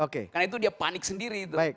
karena itu dia panik sendiri